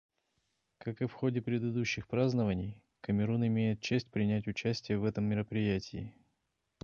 Как и в ходе предыдущих празднований, Камерун имеет честь принять участие в этом мероприятии.